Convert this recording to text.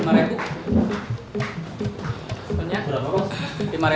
tentunya berapa ros